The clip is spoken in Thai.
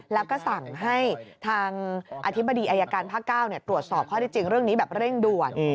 แล้วก็สั่งให้ทางอธิบดีอายการภาค๙ตรวจสอบข้อได้จริงเรื่องนี้แบบเร่งด่วน